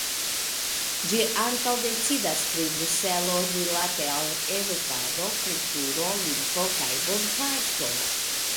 Ĝi ankaŭ decidas pri Bruselo rilate al edukado, kulturo, lingvo kaj bonfarto.